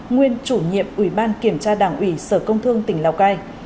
nguyên chủ nhiệm ủy ban kiểm tra đảng ủy sở công thương tỉnh lào cai